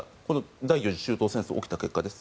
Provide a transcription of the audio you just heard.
第４次中東戦争が起きた結果です。